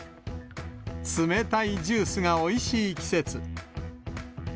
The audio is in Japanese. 冷たいジュースがおいしい季節。